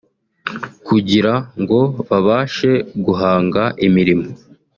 kugira ngo babashe guhanga imirimo